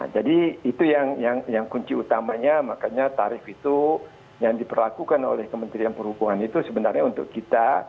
jadi itu yang kunci utamanya makanya tarif itu yang diperlakukan oleh kementerian perhubungan itu sebenarnya untuk kita